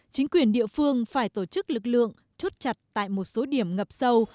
chính quyền địa phương phải tổ chức lực lượng chốt chặt tại một số điểm ngập sâu